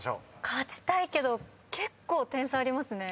勝ちたいけど点差ありますね。